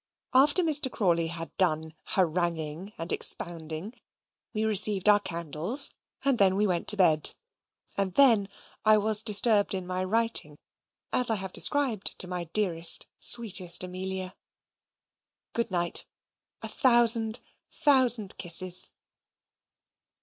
After Mr. Crawley had done haranguing and expounding, we received our candles, and then we went to bed; and then I was disturbed in my writing, as I have described to my dearest sweetest Amelia. Good night. A thousand, thousand, thousand kisses!